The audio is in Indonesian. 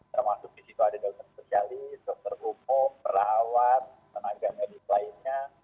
termasuk di situ ada dokter spesialis dokter umum perawat tenaga medis lainnya